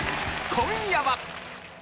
今夜は。